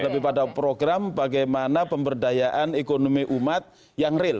lebih pada program bagaimana pemberdayaan ekonomi umat yang real